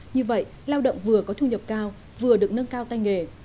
như vậy lao động vừa có thu nhập cao vừa được nâng cao tay nghề